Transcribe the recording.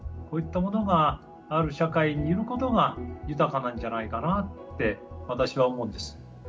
こういったものがある社会にいることが豊かなんじゃないかなって私は思うんです。